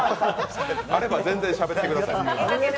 あれば全然しゃべってください。